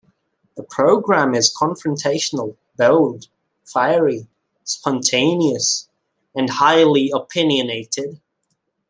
The program is confrontational, bold, fiery, spontaneous, and highly opinionated.